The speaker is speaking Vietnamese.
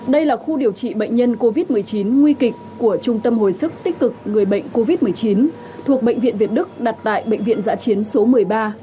đây là khu điều trị bệnh nhân covid một mươi chín nguy kịch của trung tâm hồi sức tích cực người bệnh covid một mươi chín thuộc bệnh viện việt đức đặt tại bệnh viện giã chiến số một mươi ba